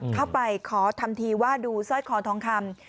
เข้าไปขอทำทีว่าดูสร้อยคอทองคำ